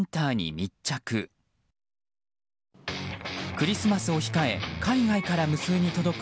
クリスマスを控え海外から無数に届く